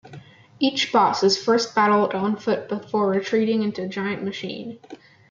Each boss is first battled on foot before retreating into a giant machine.